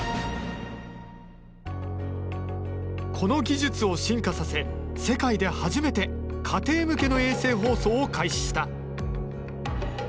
この技術を進化させ世界で初めて家庭向けの衛星放送を開始した。